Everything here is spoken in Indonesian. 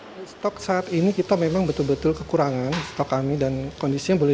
hai stok saat ini kita memang betul betul kekurangan atau kami dan kondisinya boleh